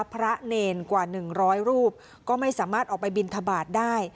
พระเนรกว่า๑๐๐รูปก็ไม่สามารถออกไปบินทบาทได้